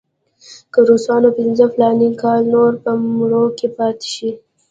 که روسان پنځه فلاني کاله نور په مرو کې پاتې شي.